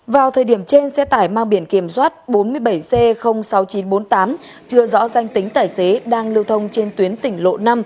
vào thời điểm trên xe tải mang biển kiểm soát bốn mươi bảy c sáu nghìn chín trăm bốn mươi tám chưa rõ danh tính tài xế đang lưu thông trên tuyến tỉnh lộ năm